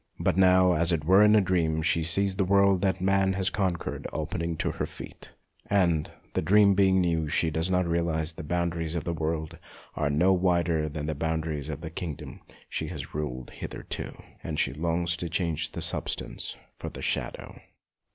But now, as it were in a dream, she sees the world that man has conquered opening to her feet, and, the dream being new, she does 148 MONOLOGUES not realize that the boundaries of that world are no wider than the boundaries of the kingdom that she has ruled hitherto ; and she longs to change the substance for the shadow.